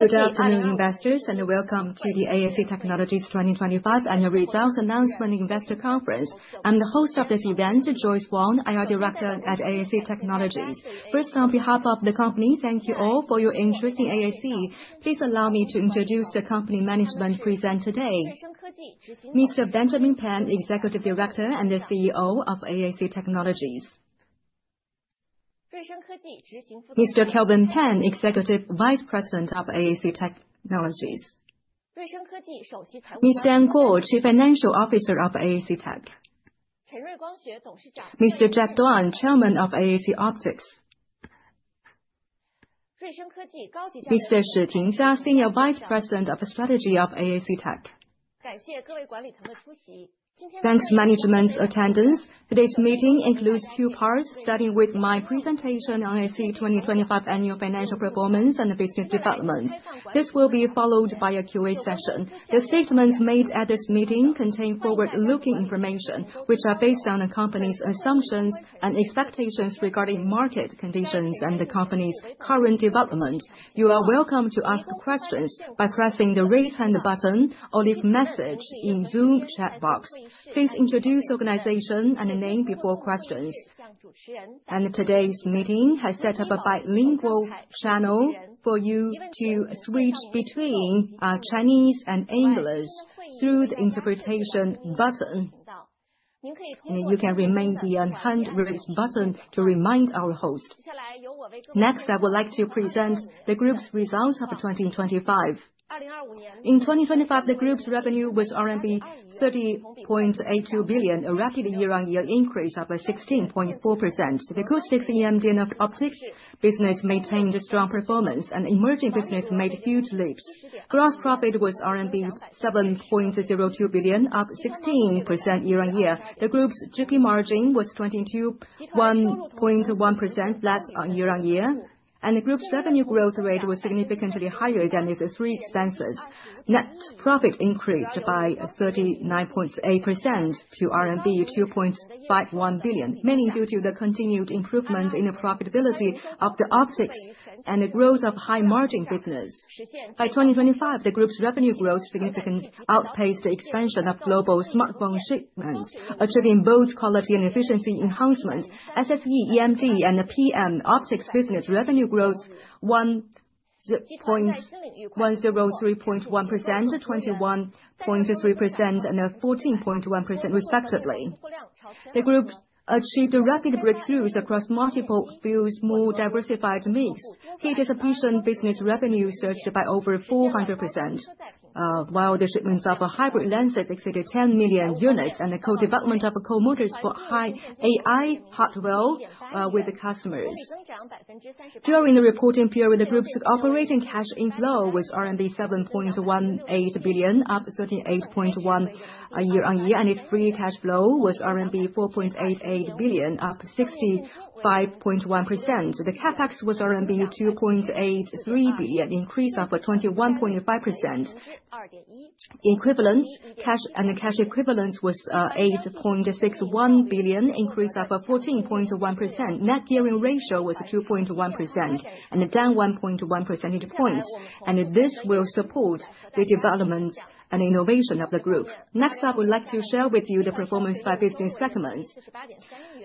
Good afternoon, investors, and welcome to the AAC Technologies 2025 annual results announcement investor conference. I'm the host of this event, Joyce Wong, IR Director at AAC Technologies. First, on behalf of the company, thank you all for your interest in AAC. Please allow me to introduce the company management present today. Mr. Benjamin Pan, Executive Director and the CEO of AAC Technologies. Mr. Kelvin Pan, Executive Vice President of AAC Technologies. Miss Guo Dan, Chief Financial Officer of AAC Tech. Mr. Jack Duan, Chairman of AAC Optics. Mr. Shi Tingjia, Senior Vice President of Strategy of AAC Tech. Thanks for management's attendance. Today's meeting includes two parts, starting with my presentation on AAC 2025 annual financial performance and business development. This will be followed by a QA session. The statements made at this meeting contain forward-looking information which are based on the company's assumptions and expectations regarding market conditions and the company's current development. You are welcome to ask questions by pressing the Raise Hand button or leave message in Zoom Chat box. Please introduce organization and name before questions. Today's meeting has set up a bilingual channel for you to switch between Chinese and English through the interpretation button. You can remain the hand raise button to remind our host. Next, I would like to present the group's results of 2025. In 2025, the group's revenue was RMB 30.82 billion, a rapid year-on-year increase of 16.4%. The Acoustics, EMD and Optics business maintained a strong performance and emerging business made huge leaps. Gross profit was 7.02 billion, up 16% year-on-year. The group's GP margin was 22.1%, flat year-on-year. The group's revenue growth rate was significantly higher than its three expenses. Net profit increased by 39.8% to RMB 2.51 billion, mainly due to the continued improvement in the profitability of the Optics and the growth of high-margin business. By 2025, the group's revenue growth significantly outpaced the expansion of global smartphone shipments, achieving both quality and efficiency enhancements. SSE, EMD and PM optics business revenue growth 103.1% to 21.3% and 14.1% respectively. The group achieved rapid breakthroughs across multiple fields, more diversified mix. Heat dissipation business revenue surged by over 400%, while the shipments of hybrid lenses exceeded 10 million units and the co-development of core motors for high AI [inaudible] with the customers. During the reporting period, the group's operating cash inflow was RMB 7.18 billion, up 38.1% year-on-year, and its free cash flow was RMB 4.88 billion, up 65.1%. The CapEx was RMB 2.83 billion, increase of 21.5%. Cash and cash equivalents was 8.61 billion, increase of 14.1%. Net gearing ratio was 2.1% and down 1.1 percentage points, and this will support the development and innovation of the group. Next, I would like to share with you the performance by business segments.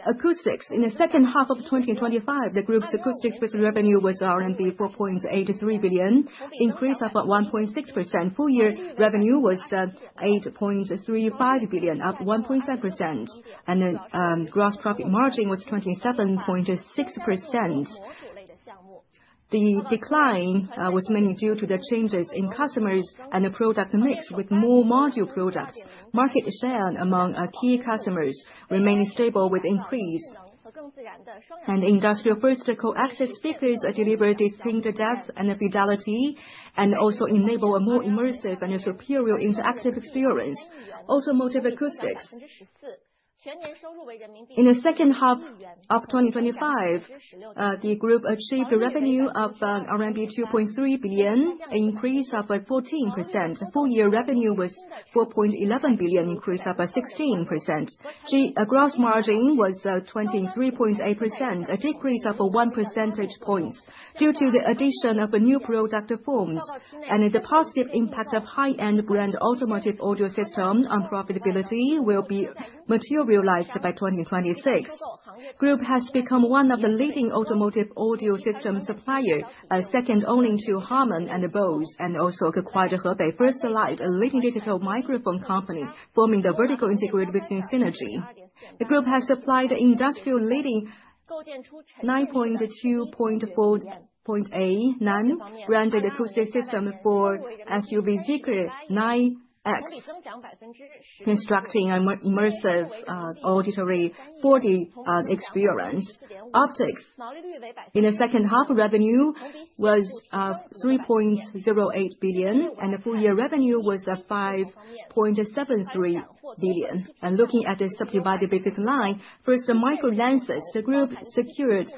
Acoustics. In the second half of 2025, the group's acoustics business revenue was 4.83 billion, increase of 1.6%. Full year revenue was 8.35 billion, up 1.7%. Gross profit margin was 27.6%. The decline was mainly due to the changes in customers and the product mix with more module products. Market share among our key customers remained stable with increase. Industrial first co-axial speakers deliver distinct depth and fidelity and also enable a more immersive and a superior interactive experience. Automotive Acoustics. In the second half of 2025, the group achieved a revenue of RMB 2.3 billion, an increase of 14%. Full year revenue was 4.11 billion, increase of 16%. Gross margin was 23.8%, a decrease of 1 percentage point due to the addition of new product forms. The positive impact of high-end brand automotive audio system on profitability will be materialized by 2026. Group has become one of the leading automotive audio system supplier, second only to Harman and Bose, and also acquired Hebei First Light, a leading digital microphone company, forming the vertical integrated business synergy. The group has supplied industry-leading 9.2.4.8 Naim-branded acoustic system for SUV Zeekr 9X, constructing immersive auditory 4D experience. Optics. In the second half, revenue was 3.08 billion, and full year revenue was 5.73 billion. Looking at the subdivided business line, first, the micro-lenses, the group secured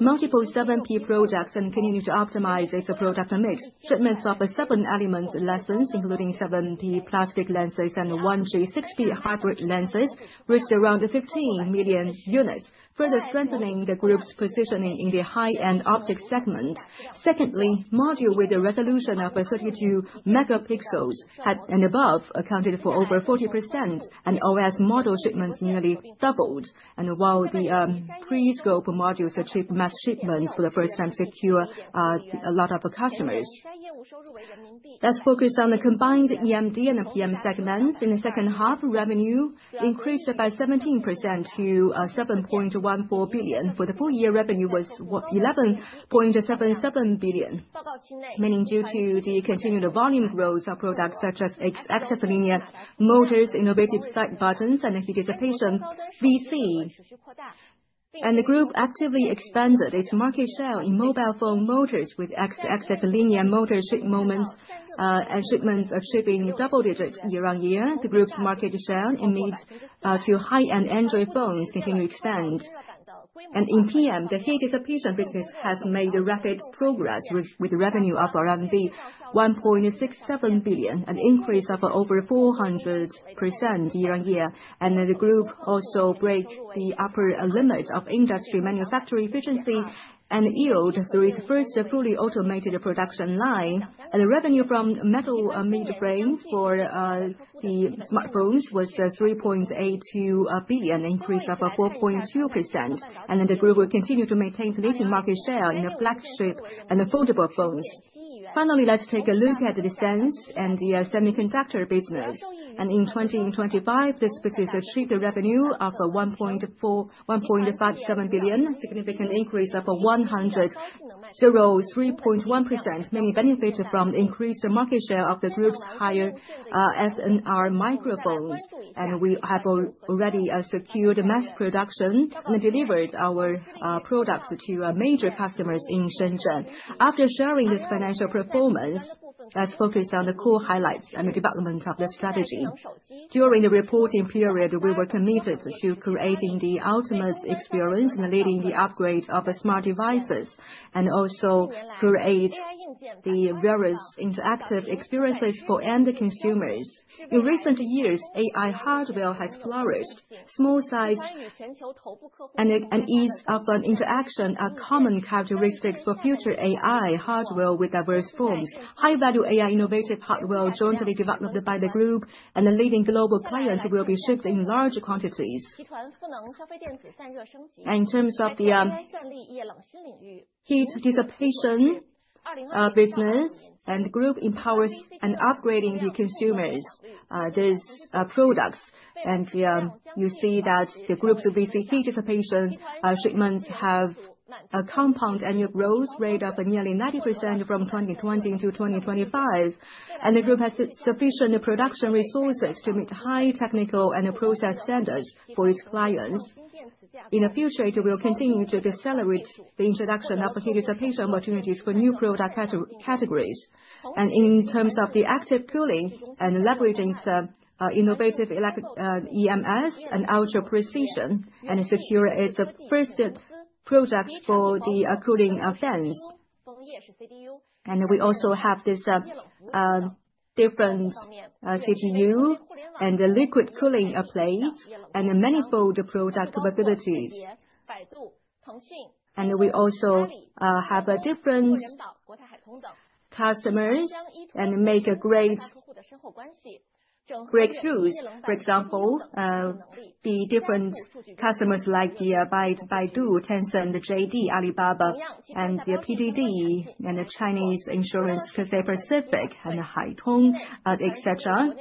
multiple 7P projects and continue to optimize its product mix. Shipments of 7-element lenses, including 7P plastic lenses and 1G6P hybrid lenses, reached around 15 million units, further strengthening the Group's positioning in the high-end optics segment. Secondly, modules with a resolution of 32 megapixels and above accounted for over 40% and OIS model shipments nearly doubled. While the periscope modules achieved mass shipments for the first time, securing a lot of customers. Let's focus on the combined EMD and PM segments. In the second half, revenue increased by 17% to 7.14 billion. For the full year, revenue was 11.77 billion. Mainly due to the continued volume growth of products such as X-axis linear motors, innovative side buttons, and heat dissipation VC. The group actively expanded its market share in mobile phone motors with X-axis linear motor shipments achieving double-digit year-on-year. The group's market share in lenses for high-end Android phones continues to expand. In PM, the heat dissipation business has made rapid progress with revenue of 1.67 billion, an increase of over 400% year-on-year. The group also break the upper limit of industry manufacturing efficiency and yield through its first fully automated production line. The revenue from metal mid-frames for the smartphones was 3.82 billion, an increase of 4.2%. The group will continue to maintain leading market share in flagship and affordable phones. Finally, let's take a look at the sensors and the semiconductor business. In 2025, this business achieved a revenue of 1.57 billion, significant increase of 103.1%, mainly benefited from the increased market share of the group's higher SNR microphones. We have already secured mass production and delivered our products to major customers in Shenzhen. After sharing this financial performance, let's focus on the core highlights and the development of the strategy. During the reporting period, we were committed to creating the ultimate experience and leading the upgrades of the smart devices, and also create the various interactive experiences for end consumers. In recent years, AI hardware has flourished. Small size and ease of interaction are common characteristics for future AI hardware with diverse forms. High-value AI innovative hardware jointly developed by the group and the leading global clients will be shipped in large quantities. In terms of the heat dissipation business, the group is empowering and upgrading consumer products. You see that the group's VC heat dissipation shipments have a compound annual growth rate of nearly 90% from 2020 to 2025. The group has sufficient production resources to meet high technical and process standards for its clients. In the future, it will continue to accelerate the introduction of heat dissipation opportunities for new product categories. In terms of the active cooling and leveraging some innovative EMS and ultra-precision, and it secures its first product for the cooling fans. We also have this different CDU and the liquid cooling plates and the manifold product capabilities. We also have different customers and make great tools. For example, customers like Baidu, Tencent, JD, Alibaba, and PDD, and the Chinese Insurance Pacific and Haitong, etc.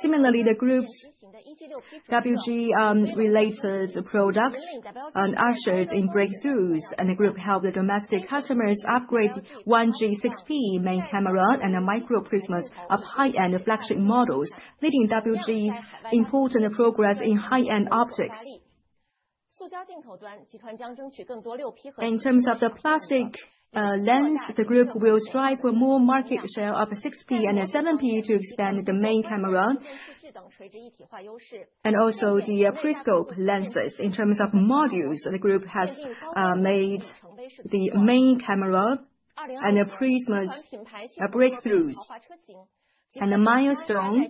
Similarly, the group's WG related products ushered in breakthroughs, and the group helped the domestic customers upgrade 1G6P main camera and the micro prisms of high-end flagship models, leading WG's important progress in high-end optics. In terms of the plastic lens, the group will strive for more market share of 6P and 7P to expand the main camera and also the periscope lenses. In terms of modules, the group has made the main camera and the prisms breakthroughs, and a milestone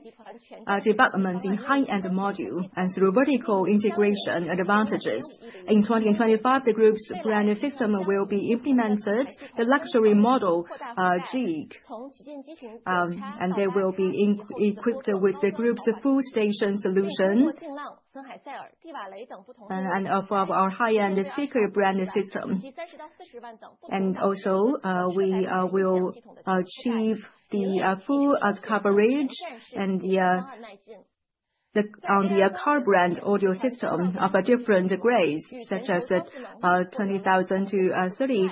development in high-end module and through vertical integration advantages. In 2025, the group's brand new system will be implemented. The luxury model, Zeekr, and they will be equipped with the group's full-stack solution. And one of our high-end speaker brand system. Also, we will achieve the full coverage and the car brand audio system of different grades, such as 20,000-30,000,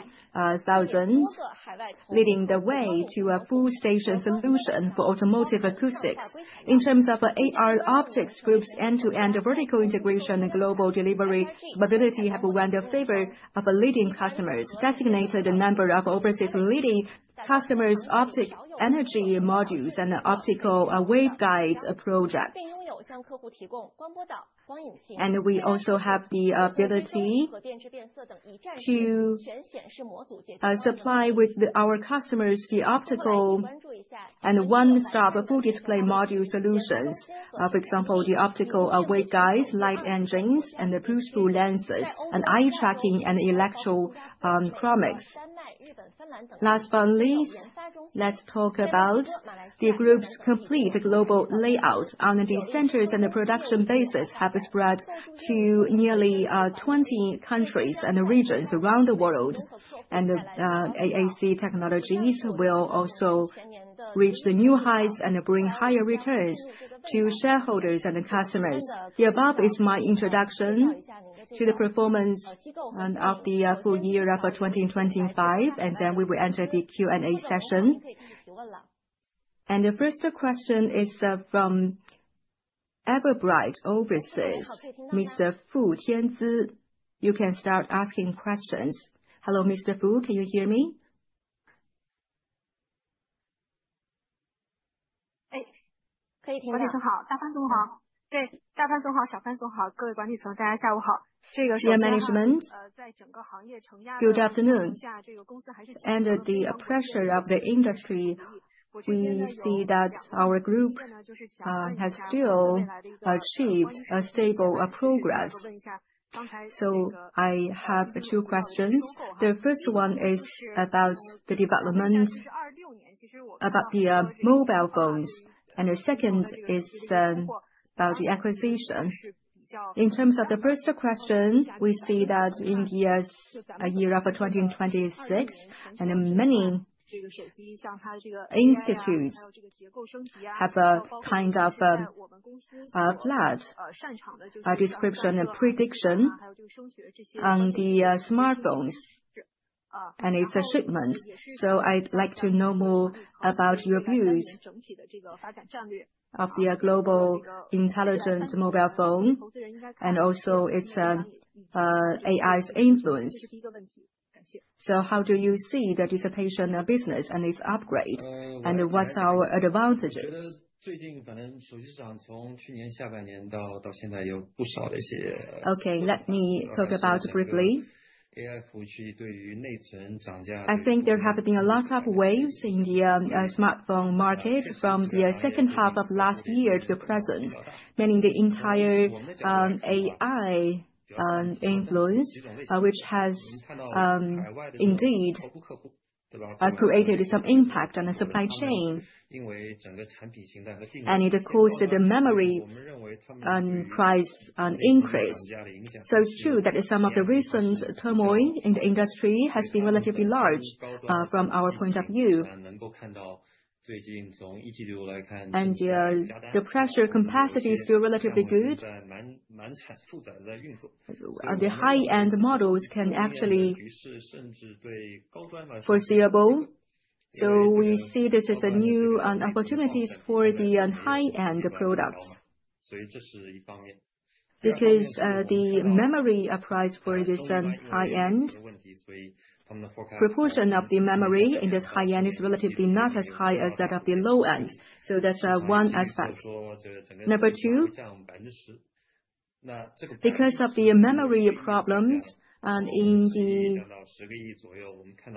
leading the way to a full-stack solution for Automotive Acoustics. In terms of AR Optics group's end-to-end vertical integration and global delivery ability have won the favor of leading customers. Designated member of overseas leading customers optics energy modules and optical waveguides projects. We also have the ability to supply to our customers the optical and one-stop full display module solutions. For example, the optical waveguides, light engines, and the push/pull lenses, and eye tracking, and electrochromics. Last but not least, let's talk about the group's complete global layout. The centers and the production bases have spread to nearly 20 countries and regions around the world. AAC Technologies will also reach the new heights and bring higher returns to shareholders and the customers. The above is my introduction to the performance of the full year for 2025, and then we will enter the Q&A session. The first question is from Everbright Securities, Fu Tianzi. You can start asking questions. Hello, Mr. Fu, can you hear me? Dear management, good afternoon. Under the pressure of the industry, we see that your group has still achieved a stable progress. I have two questions. The first one is about the development about the mobile phones, and the second is the acquisition. In terms of the first question, we see that in 2026 and many institutions have a kind of flat description and prediction on the smartphones and its shipment. I'd like to know more about your views of the global intelligent mobile phone, and also its AI's influence. How do you see the disruption of business and its upgrade, and what's your advantages? Okay, let me talk about briefly. I think there have been a lot of waves in the smartphone market from the second half of last year to the present, meaning the entire AI influence, which has indeed created some impact on the supply chain. It caused the memory and price increase. It's true that some of the recent turmoil in the industry has been relatively large from our point of view. The pressure capacity is still relatively good. The high-end models can actually foreseeable. We see this as a new opportunities for the high-end products. Because the memory price for this high-end proportion of the memory in this high-end is relatively not as high as that of the low-end. That's one aspect. Number two, because of the memory problems in the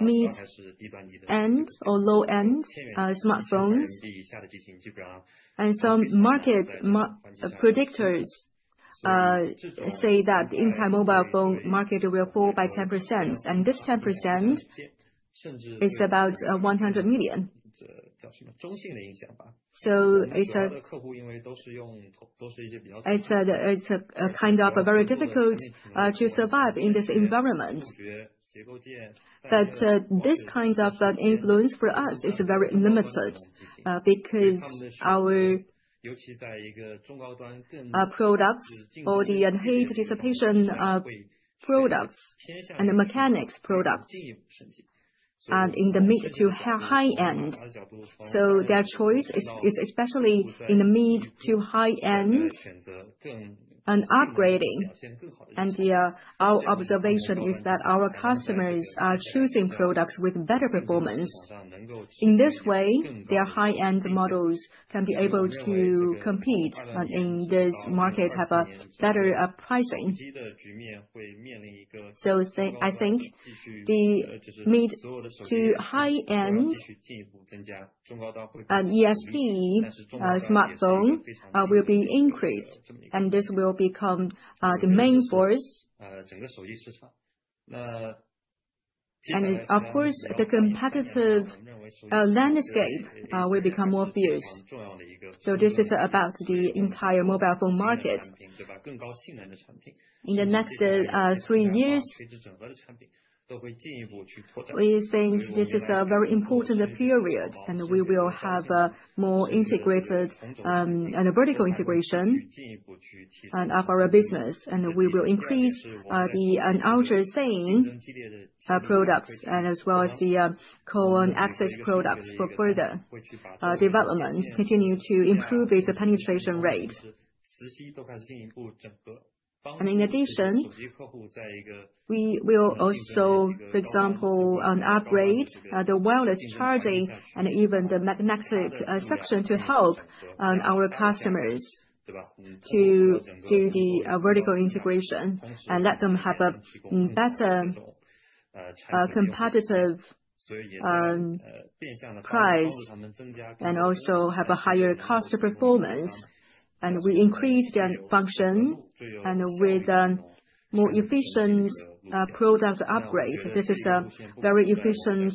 mid-end or low-end smartphones, and some market predictors say that the entire mobile phone market will fall by 10%. This 10% is about 100 million. It's a kind of very difficult to survive in this environment. This kind of an influence for us is very limited, because our products for the heat dissipation products and the mechanics products are in the mid to high-end. Their choice is especially in the mid- to high-end and upgrading. Our observation is that our customers are choosing products with better performance. In this way, their high-end models can be able to compete, and in this market have better pricing. I think the mid to high-end ASP smartphone will be increased, and this will become the main force. Of course, the competitive landscape will become more fierce. This is about the entire mobile phone market. In the next three years, we think this is a very important period, and we will have a more integrated and a vertical integration in our business. We will increase the ultra-thin products and as well as the coplanar access products for further development, continue to improve its penetration rate. In addition, we will also, for example, upgrade the wireless charging and even the magnetic suction to help our customers to do the vertical integration. Let them have a better, competitive, price and also have a higher cost of performance. We increase their function and with a more efficient, product upgrade. This is a very efficient,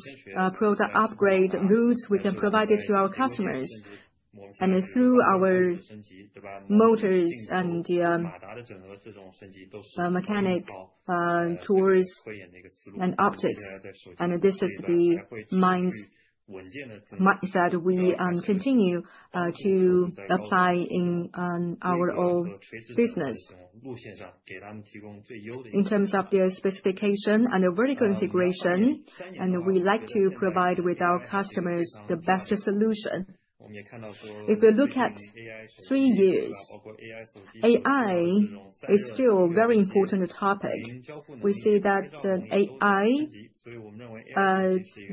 product upgrade route we can provide it to our customers. Through our motors and the, mechanical tools and optics. This is the mindset that we continue, to apply in, our own business. In terms of their specification and vertical integration, and we like to provide with our customers the best solution. If you look at three years, AI is still very important topic. We see that, AI,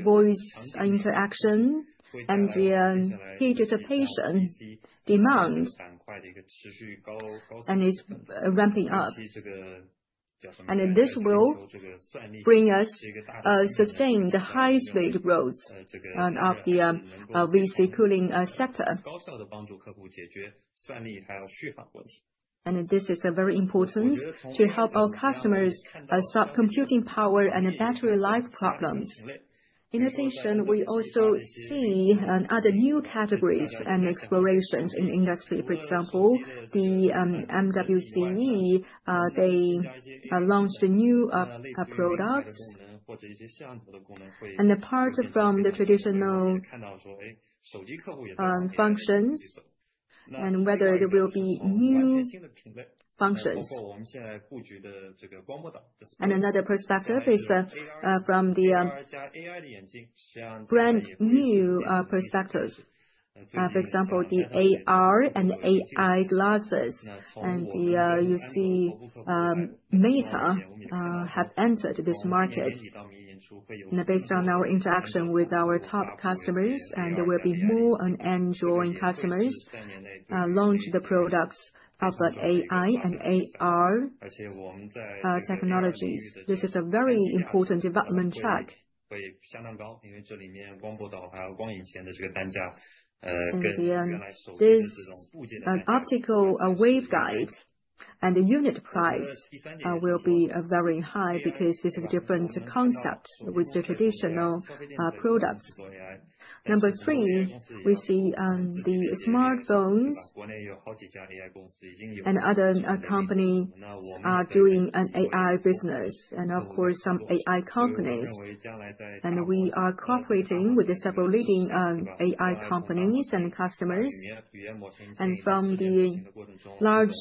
voice interaction and the heat dissipation demand and it's ramping up. Then this will bring us, sustained high rate growth of the, VC cooling sector. This is a very important to help our customers, solve computing power and battery life problems. In addition, we also see, other new categories and explorations in the industry. For example, the MWC, they launched a new products. Apart from the traditional, functions and whether there will be new functions. Another perspective is, from the brand new perspective. For example, the AR and AI glasses and the, you see, Meta have entered this market. Now based on our interaction with our top customers, and there will be more on Android customers, launch the products of AI and AR technologies. This is a very important development track. This optical waveguide and the unit price, will be very high because this is different concept with the traditional products. Number three, we see the smartphones and other company are doing an AI business and of course some AI companies. We are cooperating with several leading AI companies and customers. From the large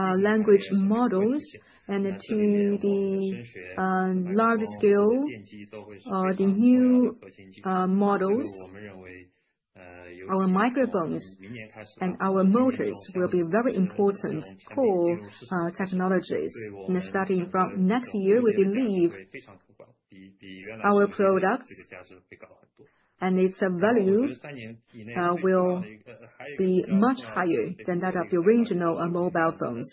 language models and to the large scale or the new models, our microphones and our motors will be very important for technologies. Starting from next year, we believe our products and its value will be much higher than that of the original mobile phones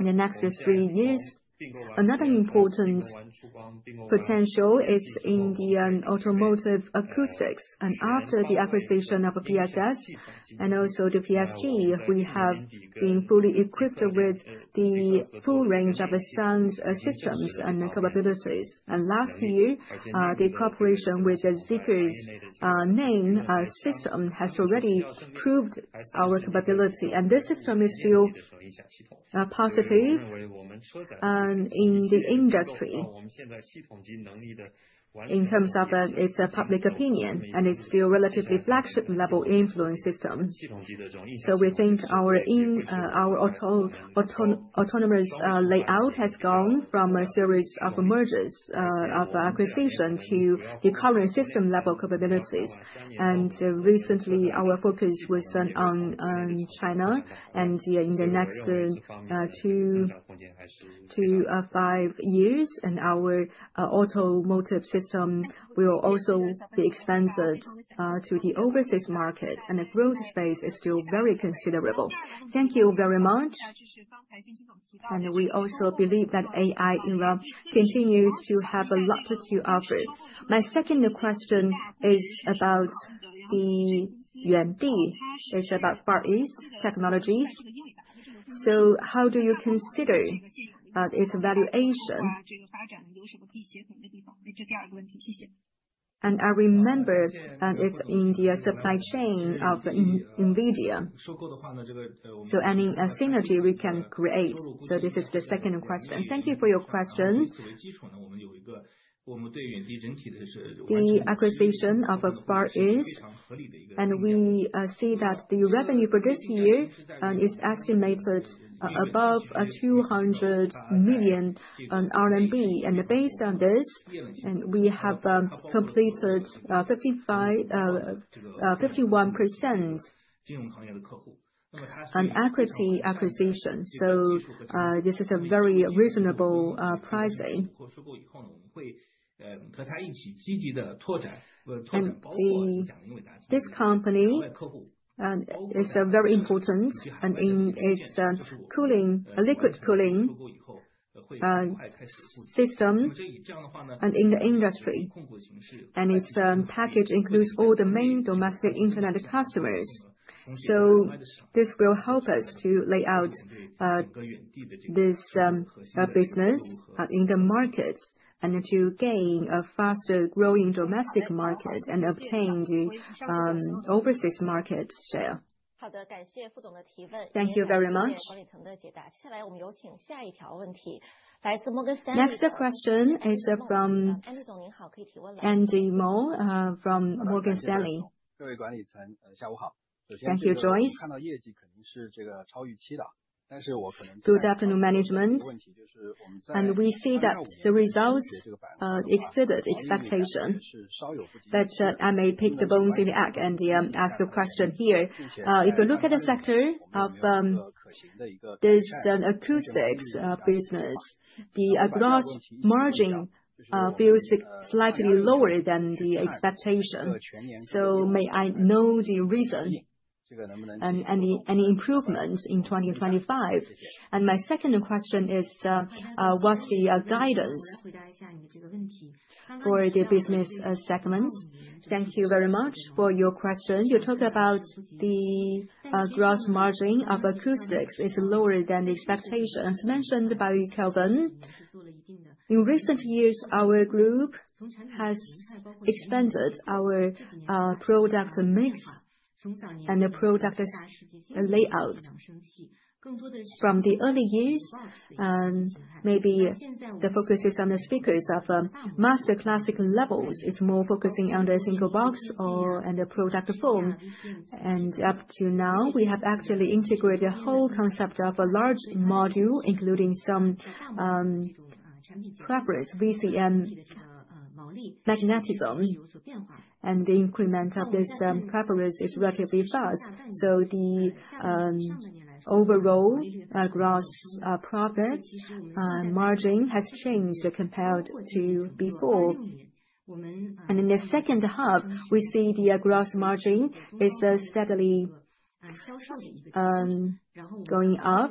in the next three years. Another important potential is in the Automotive Acoustics. After the acquisition of PSS and also PSG, we have been fully equipped with the full range of sound systems and capabilities. Last year the cooperation with the Zeekr's main system has already proved our capability. This system is still positive in the industry. In terms of its public opinion, it's still relatively flagship-level influence system. We think our autonomous layout has gone from a series of mergers and acquisitions to the current system-level capabilities. Recently, our focus was on China and in the next two to five years our automotive system will also be expanded to the overseas market, and the growth space is still very considerable. Thank you very much. We also believe that AI era continues to have a lot to offer. My second question is about the Yuandi. It's about Far East Technologies. How do you consider its valuation? I remember that it's in the supply chain of NVIDIA. Any synergy we can create. This is the second question. Thank you for your question. The acquisition of Far East and we see that the revenue for this year is estimated above RMB 200 million. Based on this, we have completed 51% on equity acquisition. This is a very reasonable pricing. This company is very important, and in its cooling- liquid cooling system and in the industry. And its package includes all the main domestic internet customers. This will help us to lay out this business in the markets and to gain a faster-growing domestic markets and obtain the overseas market share. Thank you very much. Next question is from Andy Meng from Morgan Stanley. Thank you, Joyce. Good afternoon, management. We see that the results exceeded expectation. I may pick the bones in the act and ask a question here. If you look at the sector of this Acoustics business, the gross margin feels slightly lower than the expectation. May I know the reason and any improvements in 2025? My second question is, what's the guidance for the business segments? Thank you very much for your question. You talked about the gross margin of Acoustics is lower than the expectations. As mentioned by Kelvin, in recent years, our group has expanded our product mix and the product layout. From the early years, maybe the focus is on the speakers of master classic levels. It's more focusing on the single box or on the product form. Up to now, we have actually integrated a whole concept of a large module, including some periscope VCM mechanism. The increment of this periscope is relatively fast. The overall gross profit margin has changed compared to before. In the second half, we see the gross margin is steadily going up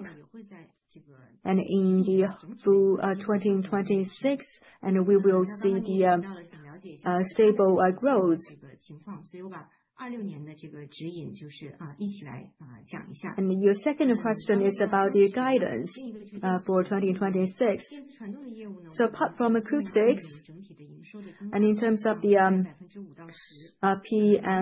and in the full 2026, we will see the stable growth. Your second question is about the guidance for 2026. Apart from Acoustics and in terms of the PM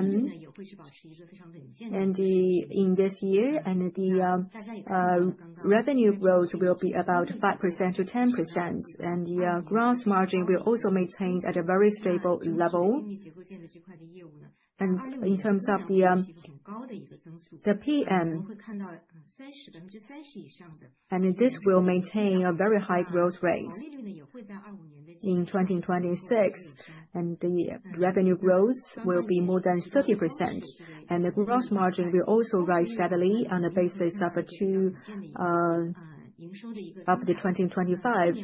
and the- in this year, the revenue growth will be about 5%-10%, and the gross margin will also maintained at a very stable level. In terms of the PM, and this will maintain a very high growth rate. In 2026, the revenue growth will be more than 30%. The gross margin will also rise steadily on the basis of 2% up to 2025.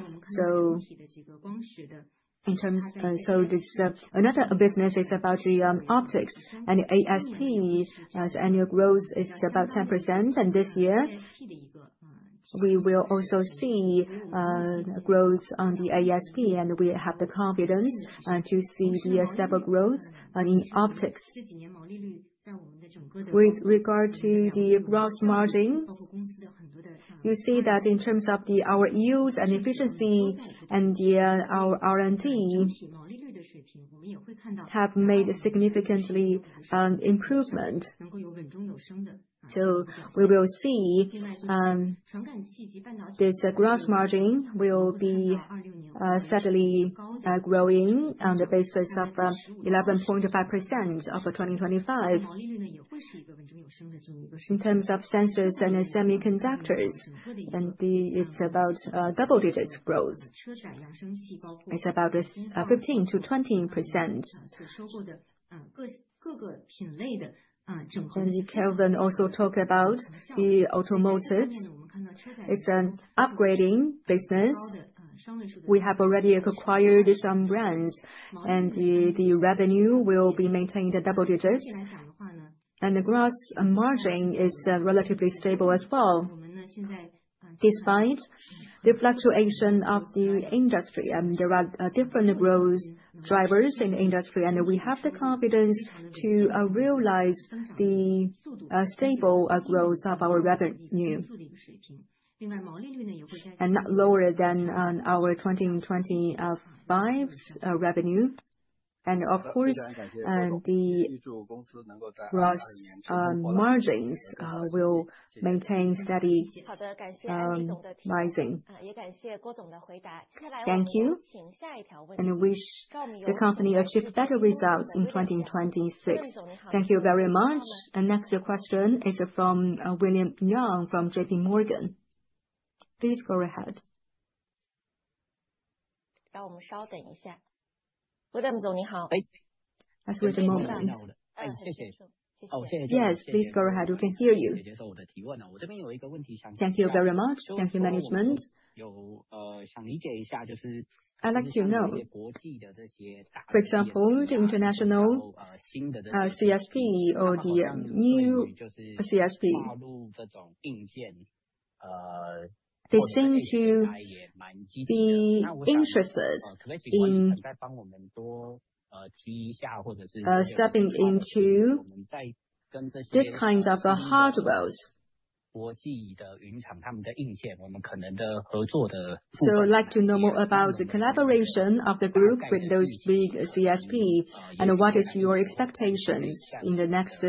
This another business is about the Optics and ASP has annual growth is about 10%. This year we will also see growth on the ASP, and we have the confidence to see the stable growth in Optics. With regard to the gross margins, you see that in terms of our yield and efficiency and our R&D have made a significant improvement. We will see this gross margin will be steadily growing on the basis of 11.5% of 2025. In terms of Sensors and Semiconductors, it's about double-digit growth. It's about 15%-20%. Kelvin also talk about the Automotive. It's an upgrading business. We have already acquired some brands, and the revenue will be maintained at double-digits. The gross margin is relatively stable as well. Despite the fluctuation of the industry, there are different growth drivers in the industry, and we have the confidence to realize the stable growth of our revenue not lower than our 2025's revenue. Of course, the gross margins will maintain steady rising. Thank you. I wish the company achieve better results in 2026. Thank you very much. Next question is from William Yang from J.P. Morgan. Please go ahead. Let's wait a moment. Yes, please go ahead. We can hear you. Thank you very much. Thank you, management. I'd like to know, for example, the international CSP or the new CSP. They seem to be interested in stepping into these kinds of hardware. I'd like to know more about the collaboration of the group with those big CSP and what is your expectations in the next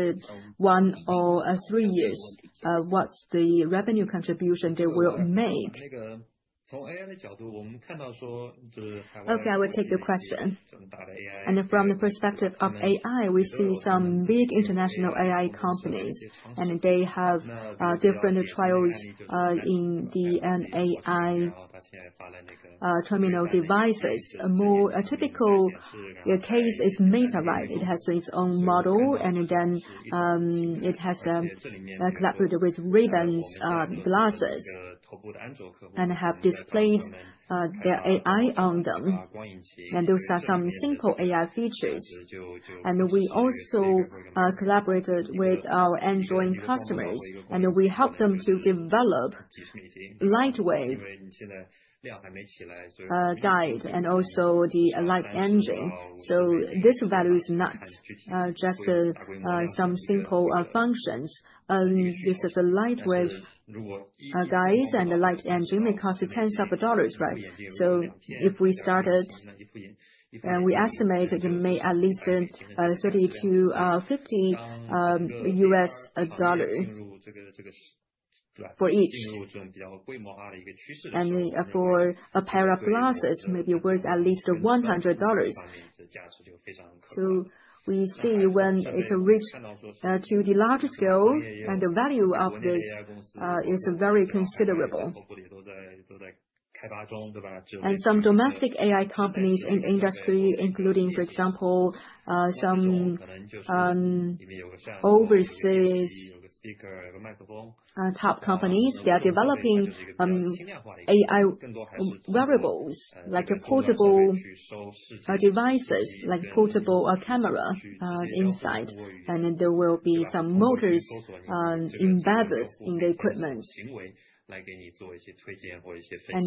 one or three years? What's the revenue contribution they will make? Okay, I will take your question. From the perspective of AI, we see some big international AI companies, and they have different trials in the AI terminal devices. A typical case is Meta, right? It has its own model and again, it has collaborated with Ray-Ban glasses and have displayed their AI on them. Those are some simple AI features. We also collaborated with our end-user customers, and we help them to develop optical waveguide and also the light engine. This value is not just some simple functions. Because the light waveguides and the light engine may cost tens of dollars, right? If we started, we estimate it may at least $30-$50 for each. For a pair of glasses may be worth at least $100. We see when it reached to the larger scale and the value of this is very considerable. Some domestic AI companies in industry including for example, some overseas top companies, they are developing AI wearables like portable devices, like portable camera inside. There will be some motors embedded in the equipment.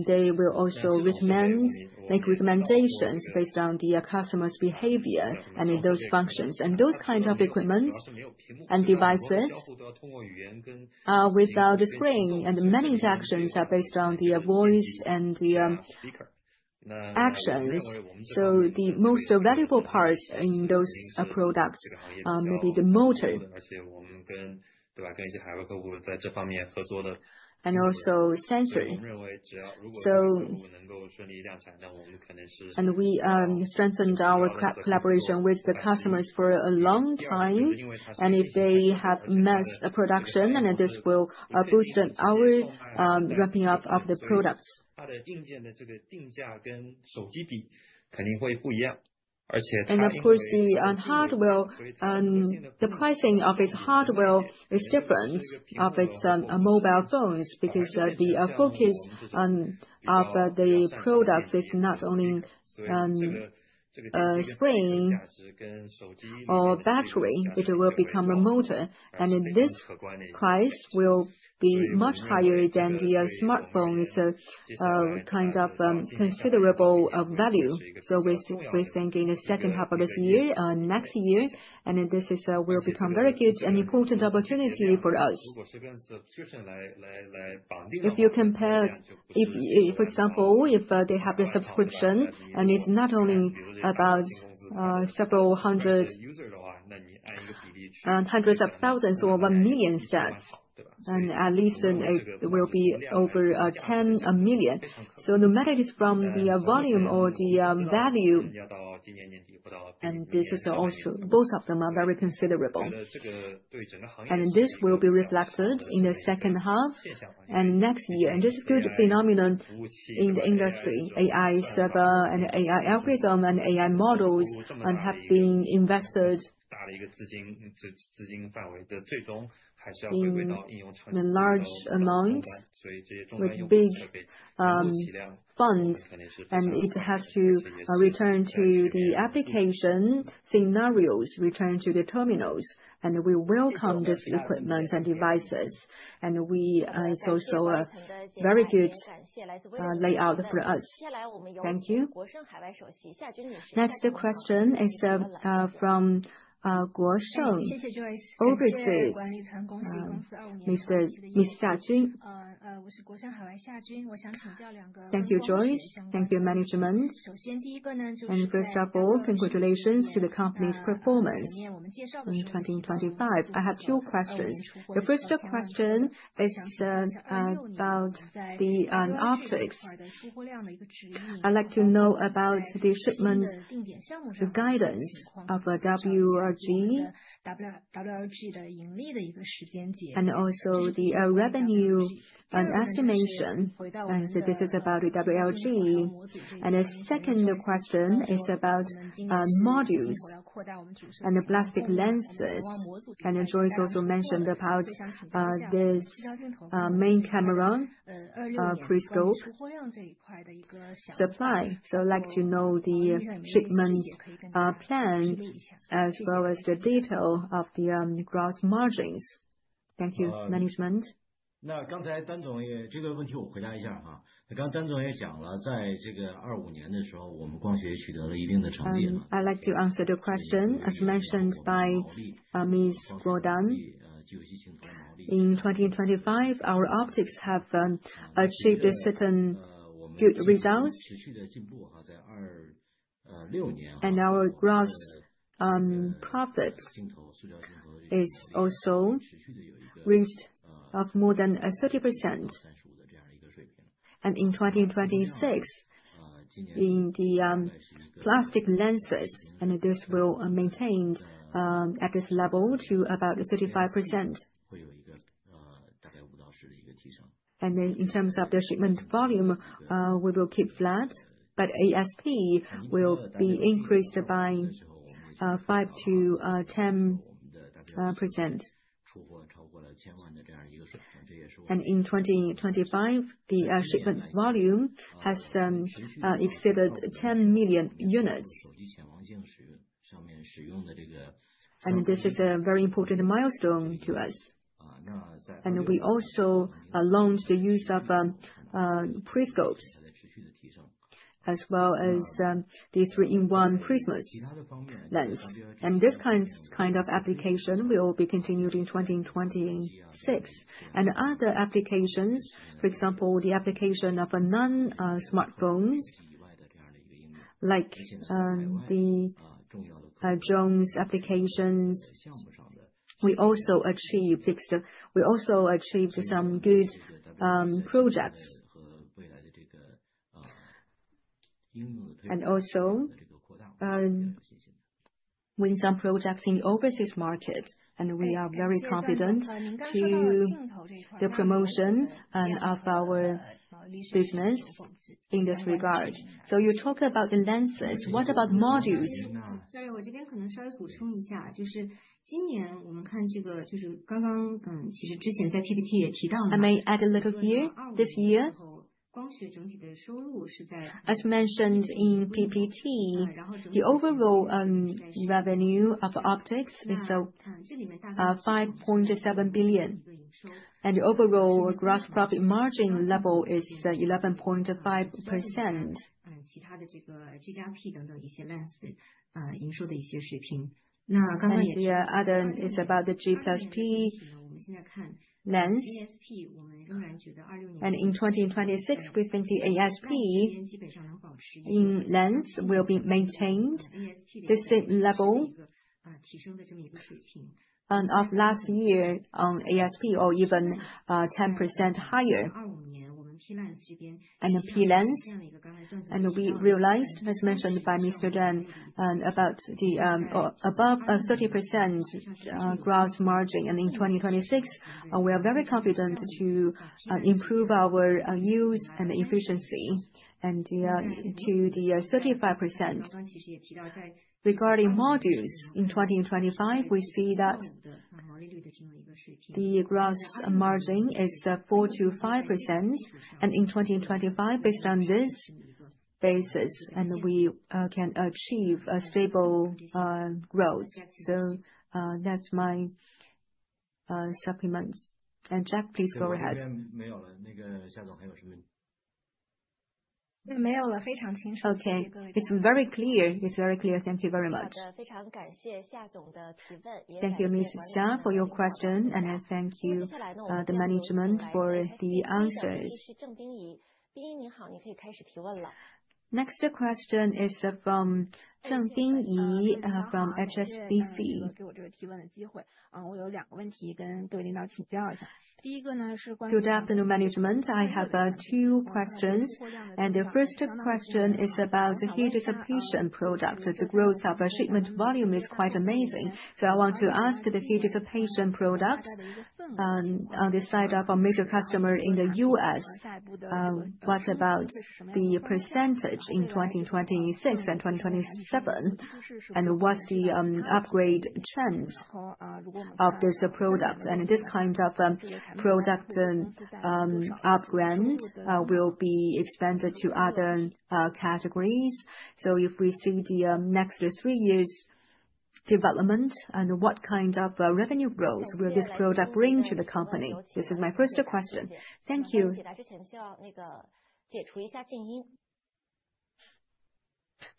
They will also make recommendations based on the customer's behavior and in those functions. Those kind of equipments and devices are without a screen, and many interactions are based on the voice and the actions. The most valuable parts in those products are maybe the motor and also sensory. We strengthened our collaboration with the customers for a long time. If they have mass production, this will boost our ramping up of the products. Of course the hardware, the pricing of its hardware is different from its mobile phones because the focus of the products is not only screen or battery, it will become a motor. This price will be much higher than the smartphone. It's a kind of considerable value. We think in the second half of this year, next year, and then this will become very good and important opportunity for us. If you compare, for example, if they have a subscription and it's not only about several hundred hundreds of thousands or 1 million sets, and at least it will be over 10 million. No matter it is from the volume or the value, and this is also both of them are very considerable. This will be reflected in the second half and next year. This is good phenomenon in the industry. AI server and AI algorithm and AI models have been invested in a large amount with big funds. It has to return to the application scenarios, return to the terminals. We welcome this equipment and devices. We so very good layout for us. Thank you. Next question is from Guosheng Securities, Miss Xia Jun. Thank you, Joyce. Thank you, management. First of all, congratulations to the company's performance in 2025. I have two questions. The first question is about the Optics. I'd like to know about the shipment, the guidance of WLG, and also the revenue and estimation. This is about WLG. The second question is about modules and the plastic lenses. Joyce also mentioned about this main camera periscope supply. I'd like to know the shipment plan as well as the detail of the gross margins. Thank you, management. I'd like to answer the question. As mentioned by Ms. Guo Dan, in 2025, our Optics have achieved a certain good results. Our gross profit is also reached of more than 30%. In 2026, in the plastic lenses, this will maintain at this level to about 35%. Then in terms of the shipment volume, we will keep flat, but ASP will be increased by 5%-10%. In 2025, the shipment volume has exceeded 10 million units. This is a very important milestone to us. We also announced the use of periscopes as well as the three-in-one prism lens. This kind of application will be continued in 2026. Other applications, for example, the application of non-smartphones, like the drone applications, we also achieved some good projects. We win some projects in overseas markets, and we are very confident in the promotion of our business in this regard. You talked about the lenses. What about modules? I may add a little here. This year, as mentioned in PPT, the overall revenue of Optics is 5.7 billion, and the overall gross profit margin level is 11.5%. The other is about the G+P lens. In 2026, we think the ASP in lens will be maintained the same level as of last year on ASP or even 10% higher. The P lens. We realized, as mentioned by Mr. Duan, about the above 30% gross margin. In 2026, we are very confident to improve our use and efficiency to 35%. Regarding modules, in 2025, we see that the gross margin is 4%-5%. In 2025, based on this basis, we can achieve a stable growth. That's my supplements. Jack, please go ahead. Okay. It's very clear. Thank you very much. Thank you, Ms. Xia, for your question. I thank you, the management, for the answers. Next question is from Zheng Bingyi from HSBC. Good afternoon, management. I have two questions, and the first question is about the heat dissipation product. The growth of our shipment volume is quite amazing. I want to ask the heat dissipation product, on the side of our major customer in the U.S., what about the percentage in 2026 and 2027? And what's the upgrade trends of this product? And this kind of product and upgrade will be expanded to other categories. If we see the next three years development and what kind of revenue growth will this product bring to the company? This is my first question. Thank you.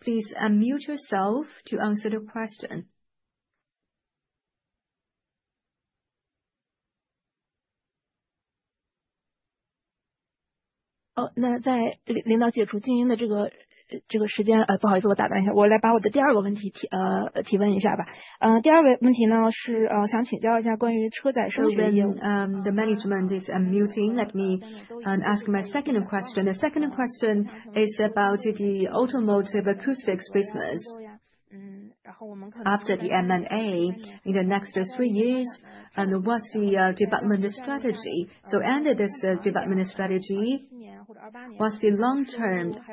Please unmute yourself to answer the question. The management is unmuting, let me ask my second question. The second question is about the Automotive Acoustics business. After the M&A in the next three years, and what's the development strategy? Under this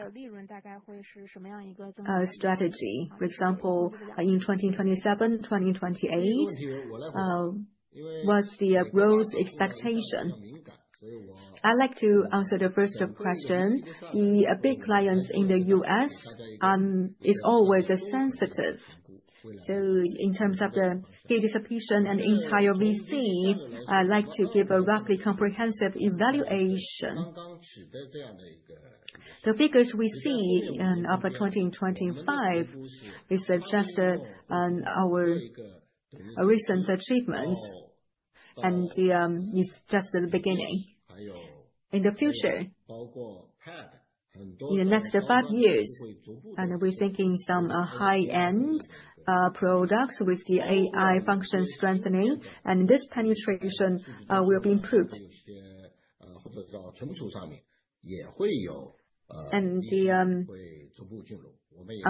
development strategy, what's the long-term strategy? For example, in 2027, 2028, what's the growth expectation? I'd like to answer the first question. The big clients in the U.S. is always sensitive. So in terms of the participation and the entire VC, I'd like to give a roughly comprehensive evaluation. The figures we see in upper 2025 is just our recent achievements, and it's just the beginning. In the future, in the next five years, we're seeking some high-end products with the AI function strengthening, and this penetration will be improved. On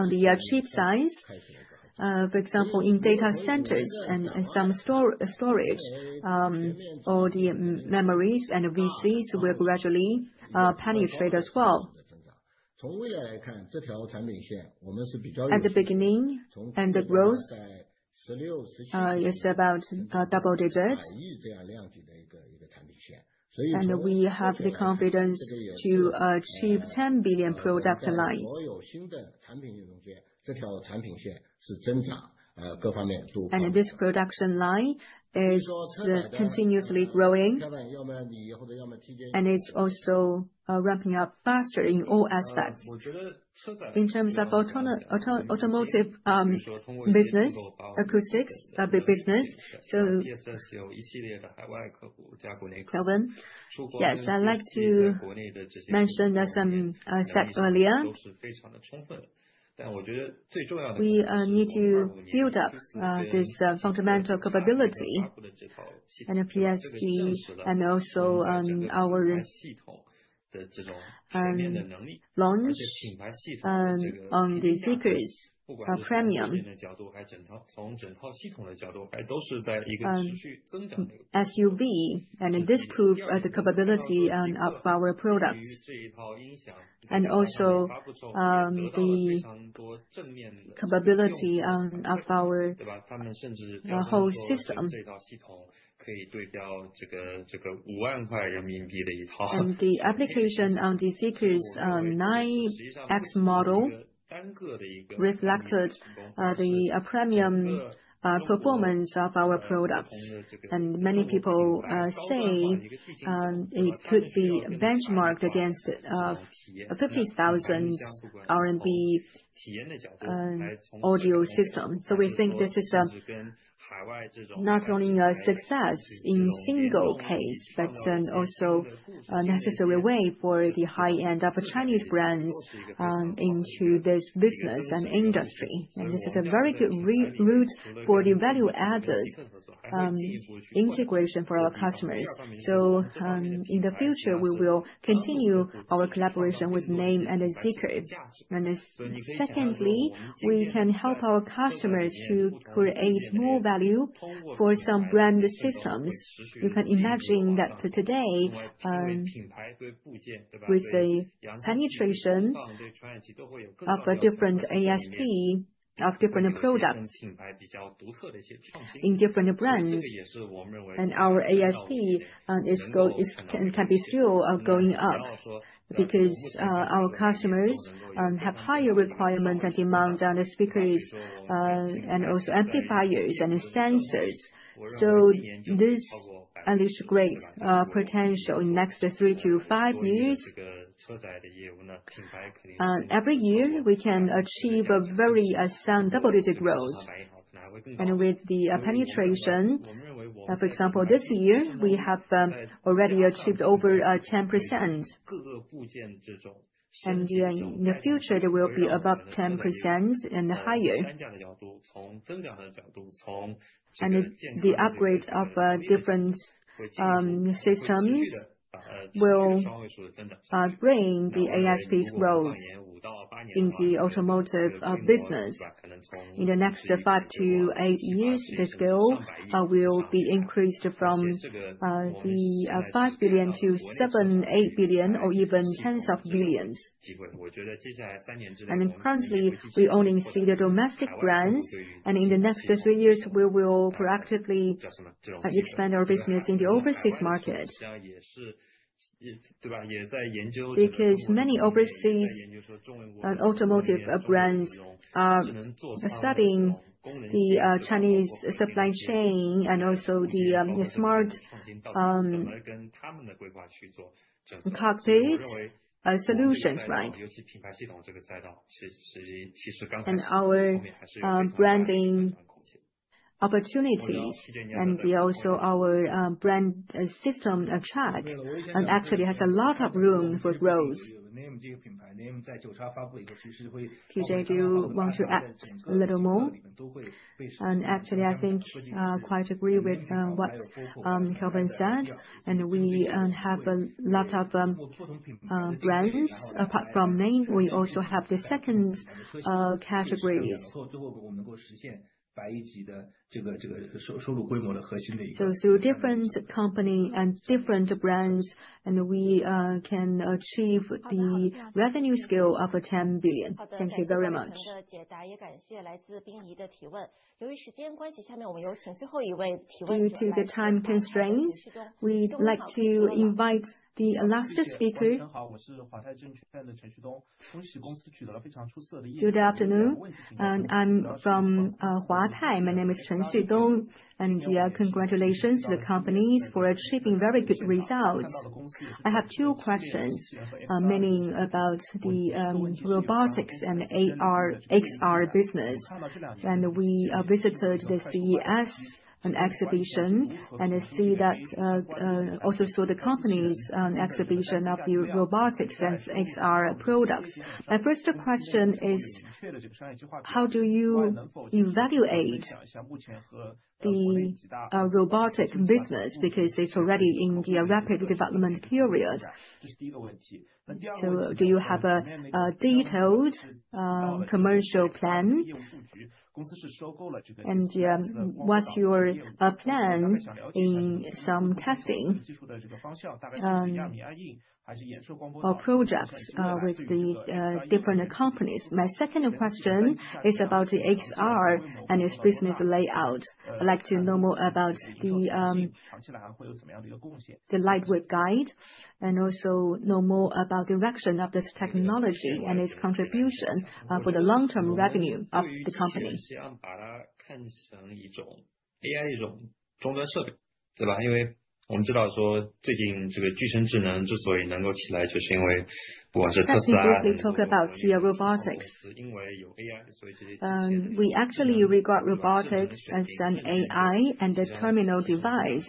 the [chip] side, for example, in data centers and in some storage, or the memories and VCs will gradually penetrate as well. At the beginning, the growth is about double-digits. We have the confidence to achieve RMB 10 billion product lines. This production line is continuously growing, and it's also ramping up faster in all aspects. In terms of Automotive business, Acoustics, the business. Kelvin? Yes. I'd like to mention that some I said earlier. We need to build up this fundamental capability and a PSG and also our launch on the Zeekr's premium SUV, and this proves the capability of our products. Also, the capability of our whole system. The application on the Zeekr's 9X model reflected the premium performance of our products. Many people say it could be benchmarked against a 50,000 RMB audio system. We think this is not only a success in single case, but also a necessary way for the high-end of Chinese brands into this business and industry. This is a very good re-route for the value added integration for our customers. In the future, we will continue our collaboration with Naim and Zeekr. Secondly, we can help our customers to create more value for some brand systems. You can imagine that today, with the penetration of a different ASP, of different products in different brands, and our ASP can be still going up because our customers have higher requirement and demand on the speakers, and also amplifiers and sensors. This unleashes great potential in the next three to five years. Every year, we can achieve a very some double-digit growth. With the penetration, for example, this year, we have already achieved over 10%. In the future, there will be above 10% and higher. The upgrade of different systems will bring the ASP's growth in the Automotive business. In the next five to eight years, the scale will be increased from the 5 billion to 7 billion-8 billion or even tens of billions. Currently, we only see the domestic brands, and in the next three years, we will proactively expand our business in the overseas market. Because many overseas automotive brands are studying the Chinese supply chain and also the smart cockpit solutions, right? Our branding opportunities and also our brand system charge. Actually has a lot of room for growth. TJ, do you want to add a little more? Actually, I think I quite agree with what Kelvin said. We have a lot of brands. Apart from Naim, we also have the second categories. So through different companies and different brands, and we can achieve the revenue scale of 10 billion. Thank you very much. Due to the time constraints, we'd like to invite the last speaker. Good afternoon. I'm from Huatai. My name is Chen Xiaodong. Yeah, congratulations to the companies for achieving very good results. I have two questions, mainly about the robotics and AR/XR business. We visited the CES, an exhibition, and I also saw the company's exhibition of the robotics and XR products. My first question is, how do you evaluate the robotics business because it's already in the rapid development period? Do you have a detailed commercial plan? What's your plan in some testing or progress with the different companies? My second question is about the XR and its business layout. I'd like to know more about the light waveguide, and also know more about the direction of this technology and its contribution for the long-term revenue of the company. First, if we talk about the robotics. We actually regard robotics as an AI and a terminal device.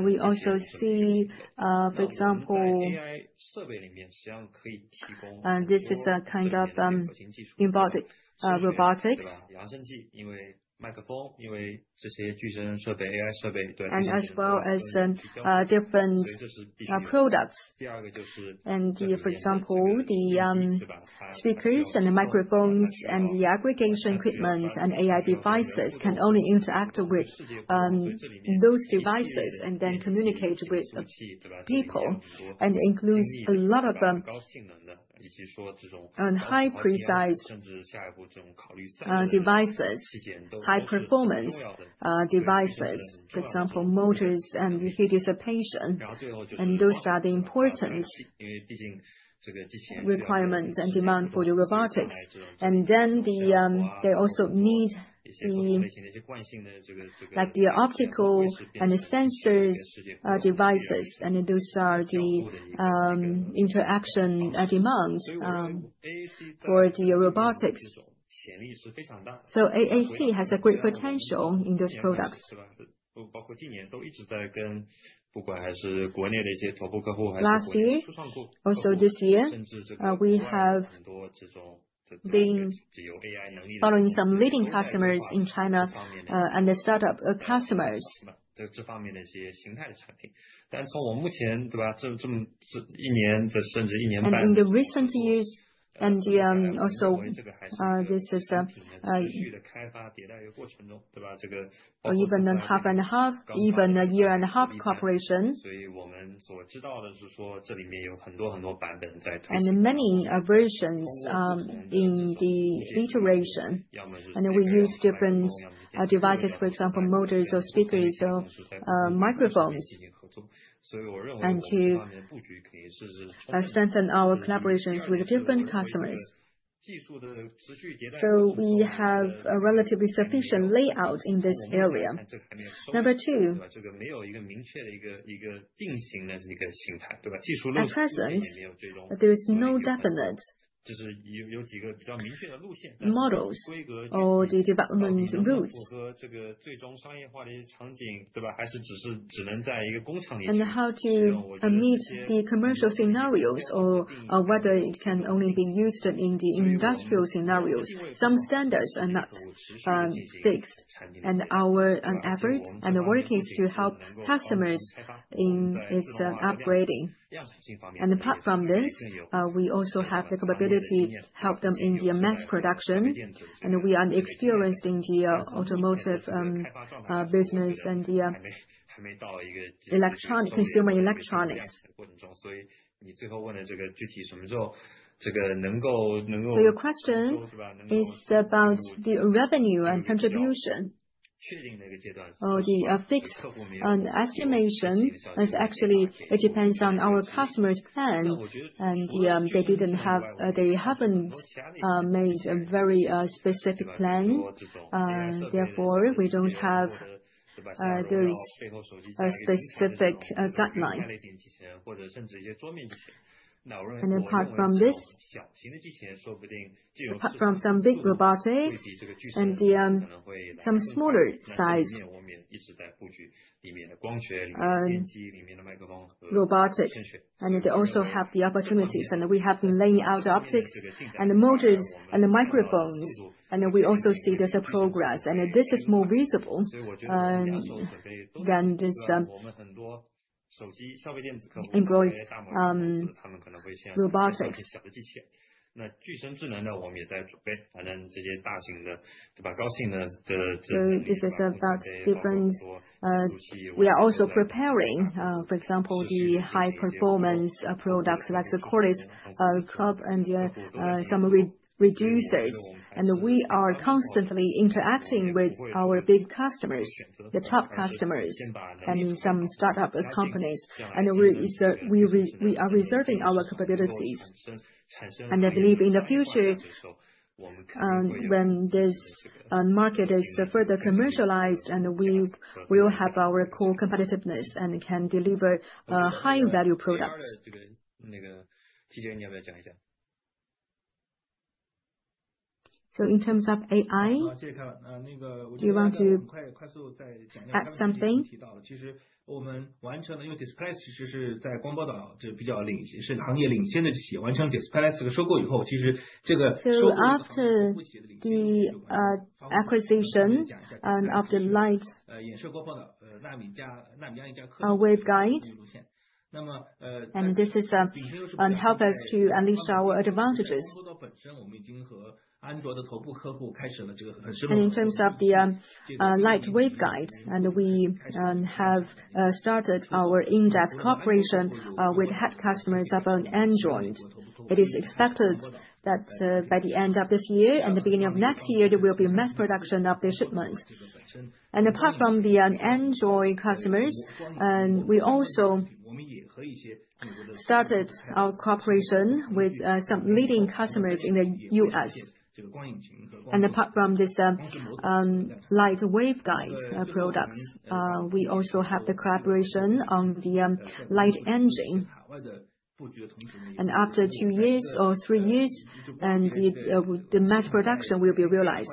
We also see, for example, this is a kind of embodied robotics, as well as different products. For example, the speakers and the microphones and the aggregation equipment and AI devices can only interact with those devices and then communicate with people, and includes a lot of them on high precision devices, high performance devices, for example, motors and heat dissipation. Those are the important requirements and demand for the robotics. They also need, like, the optical and the sensor devices. Those are the interaction demands for the robotics. AAC has a great potential in this products. Last year, also this year, we have been following some leading customers in China, and the startup customers. In recent years, and also this is or even half and half even a year and a half cooperation. Many versions in the iteration. We use different devices, for example, motors or speakers or microphones, and to strengthen our collaborations with different customers. We have a relatively sufficient layout in this area. Number two. At present, there's no definite models or the development routes. How to meet the commercial scenarios or whether it can only be used in the industrial scenarios. Some standards are not fixed. Our effort and the work is to help customers in its upgrading. Apart from this, we also have the capability to help them in the mass production. We are experienced in the Automotive business and the Consumer Electronics. Your question is about the revenue and contribution or the fixed estimation. Actually, it depends on our customer's plan, and they haven't made a very specific plan. Therefore, we don't have those specific guideline. Apart from this, apart from some big robotics and some smaller size robotic. They also have the opportunities, and we have been laying out optics and the motors and the microphones, and then we also see there's a progress, and this is more visible than this employed robotics. This is about different. We are also preparing, for example, the high performance products like the coreless hub and some reducers. We are constantly interacting with our big customers, the top customers, and in some startup companies. We are reserving our capabilities. I believe in the future, when this market is further commercialized and we will have our core competitiveness and can deliver high value products. In terms of AI, you want to add something? After the acquisition of the light waveguide, and this helps us to unleash our advantages. In terms of the light waveguide, and we have started our in-depth cooperation with key customers on Android. It is expected that by the end of this year and the beginning of next year, there will be mass production of the shipments. Apart from the Android customers, we also started our cooperation with some leading customers in the U.S. Apart from this light waveguide products, we also have the collaboration on the light engine. After two years or three years, the mass production will be realized.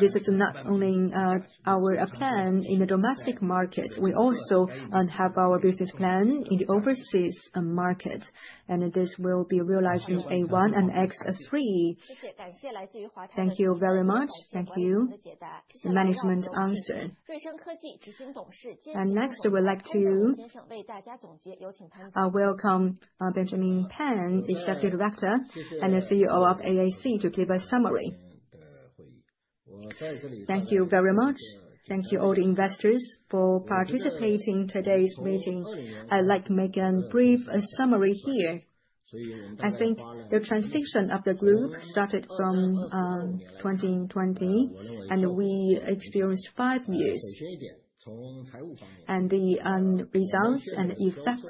This is not only our plan in the domestic market. We also have our business plan in the overseas market. This will be realized in [A-one] and [X-three]. Thank you very much. Thank you management answer. Next, I would like to welcome Benjamin Pan, Executive Director and CEO of AAC to give a summary. Thank you very much. Thank you all the investors for participating in today's meeting. I'd like to make a brief summary here. I think the transition of the group started from 2020, and we experienced five years. The results and effect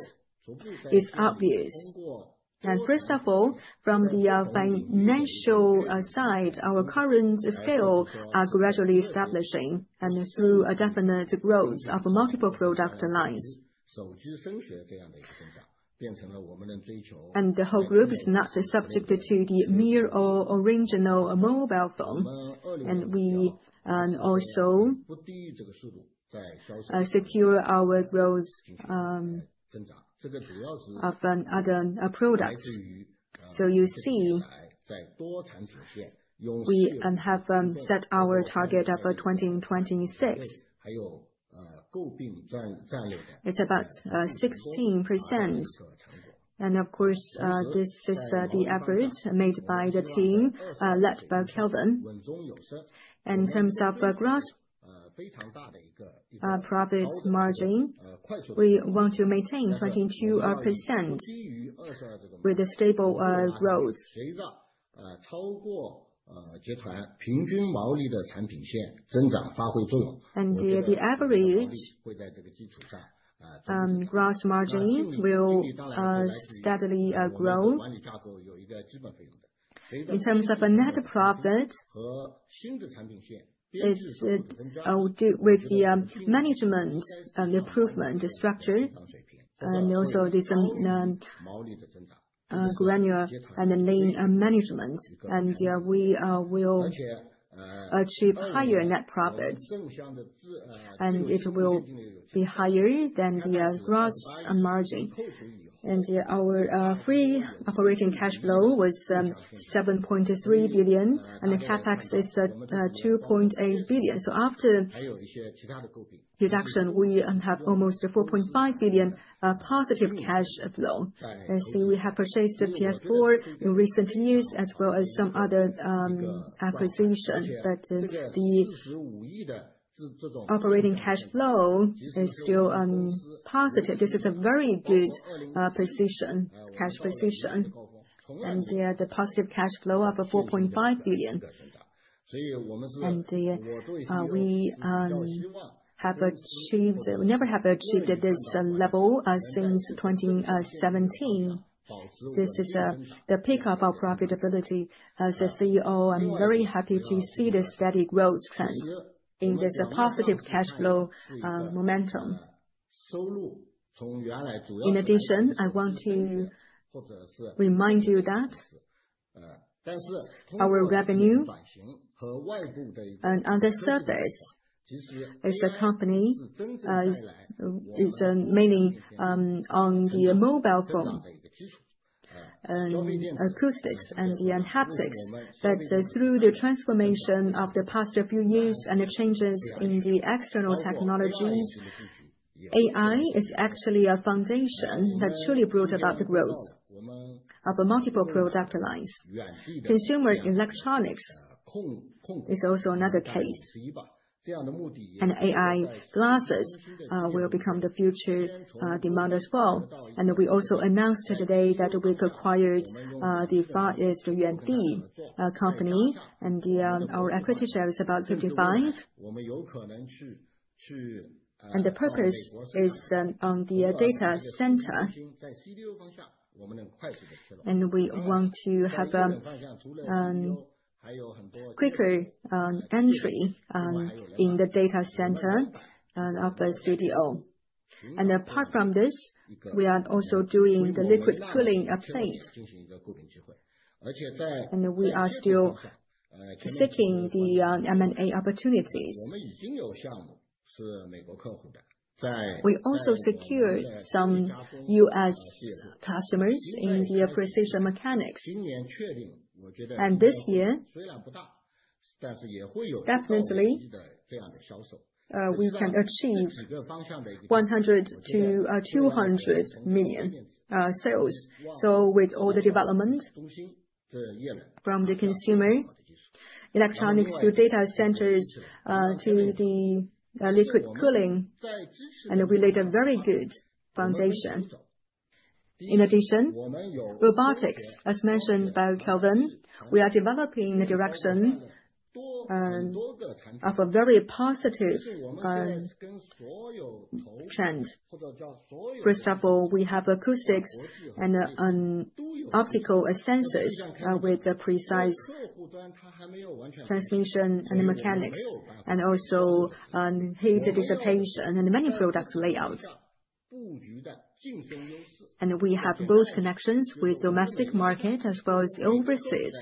is obvious. First of all, from the financial side, our current scale are gradually establishing and through a definite growth of multiple product lines. The whole group is not subjected to merely the original mobile phone. We also secure our growth of other products. You see, we have set our target up for 2026. It's about 16%. Of course, this is the effort made by the team led by Kelvin. In terms of gross profit margin, we want to maintain 22% with a stable growth. The average gross margin will steadily grow. In terms of net profit, it is due to the management and improvement structure, and also this granular and lean management. We will achieve higher net profits, and it will be higher than the gross margin. Our free operating cash flow was 7.3 billion, and the CapEx is at 2.8 billion. After deduction, we have almost 4.5 billion positive cash flow. We have purchased the [PSS] in recent years as well as some other acquisition. The operating cash flow is still positive. This is a very good cash position. The positive cash flow of 4.5 billion. We have never achieved this level since 2017. This is the peak of our profitability. As a CEO, I'm very happy to see this steady growth trends in this positive cash flow momentum. In addition, I want to remind you that our revenue and other service as a company is mainly on the mobile phone. 6t5and the haptics that through the transformation of the past few years and the changes in the external technologies, AI is actually a foundation that truly brought about the growth of the multiple product lines. Consumer electronics is also another case. AI glasses will become the future demand as well. We also announced today that we've acquired Far East Yuandi company, and our equity share is about 55%. The purpose is on the data center. We want to have quicker entry in the data center and of CDU. Apart from this, we are also doing the liquid cooling plates. We are still seeking the M&A opportunities. We also secured some U.S. customers in the precision mechanics. This year, definitely, we can achieve 100 million-200 million sales. With all the development from the consumer electronics to data centers to the liquid cooling, and we laid a very good foundation. In addition, robotics, as mentioned by Kelvin, we are developing the direction of a very positive trend. First of all, we have acoustics and optical sensors with a precise transmission and mechanics, and also heat dissipation and many products layout. We have both connections with domestic market as well as overseas.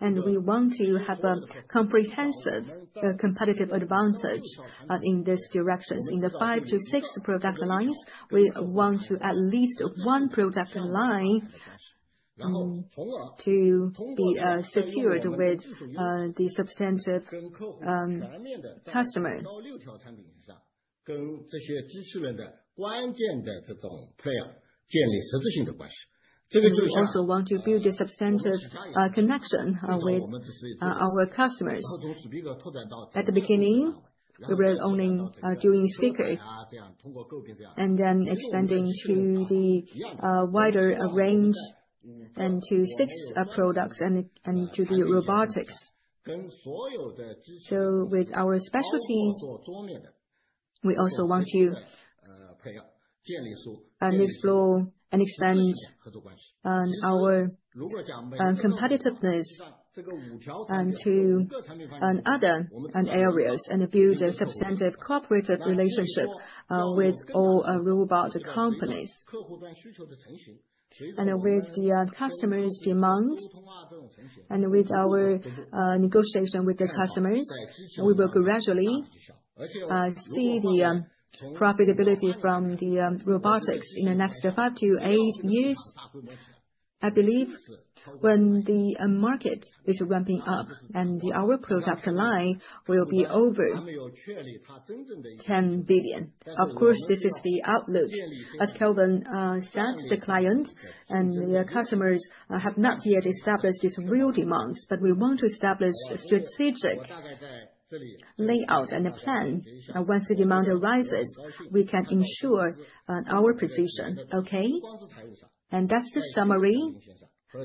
We want to have a comprehensive competitive advantage in these directions. In the five to six product lines, we want to at least one product line to be secured with the substantive customers. We also want to build a substantive connection with our customers. At the beginning, we were only doing speakers, and then extending to the wider range and to six products and to the robotics. With our specialties, we also want to explore and extend our competitiveness to other areas and build a substantive cooperative relationship with all our robot companies. With the customer's demand, and with our negotiation with the customers, we will gradually see the profitability from the robotics in the next five to eight years. I believe when the market is ramping up and our product line will be over 10 billion. Of course, this is the outlook. As Kelvin said to the client, and the customers have not yet established these real demands, but we want to establish strategic layout and a plan. Once the demand arises, we can ensure our position. Okay? That's the summary.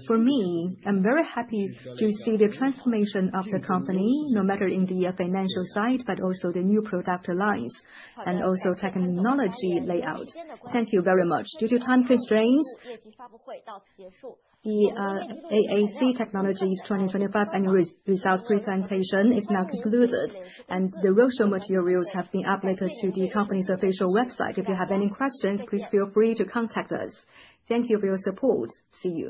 For me, I'm very happy to see the transformation of the company, no matter in the financial side, but also the new product lines, and also technology layout. Thank you very much. Due to time constraints, AAC Technologies 2025 annual result presentation is now concluded, and the related materials have been uploaded to the company's official website. If you have any questions, please feel free to contact us. Thank you for your support. See you.